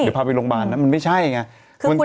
เดี๋ยวพาไปโรงพยาบาลนะมันไม่ใช่ไง